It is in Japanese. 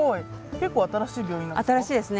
結構新しい病院なんですか？